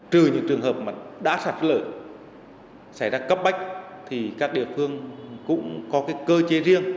trừ những trường hợp mà đã sạt lở xảy ra cấp bách thì các địa phương cũng có cơ chế riêng